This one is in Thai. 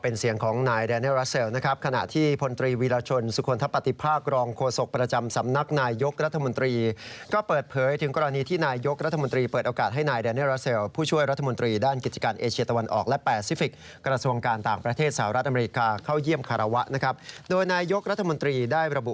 นี่ก็คือความสัมพันธ์ที่แกร่งเหมือนเดิมครับ